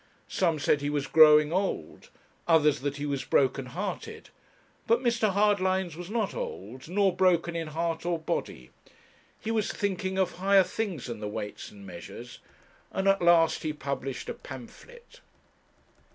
Some said he was growing old, others that he was broken hearted. But Mr. Hardlines was not old, nor broken in heart or body. He was thinking of higher things than the Weights and Measures, and at last he published a pamphlet.